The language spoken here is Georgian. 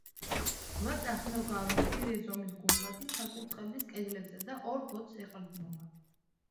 რვაწახნაგოვანი, მცირე ზომის გუმბათი საკურთხევლის კედლებსა და ორ ბოძს ეყრდნობა.